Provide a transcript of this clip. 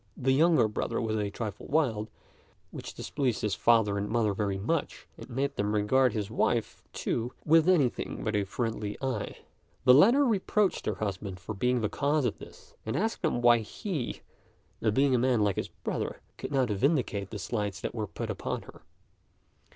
The younger brother was a trifle wild, which displeased his father and mother very much, and made them regard his wife, too, with anything but a friendly eye. The latter reproached her husband for being the cause of this, and asked him why he, being a man like his brother, could not vindicate the slights that were put upon her.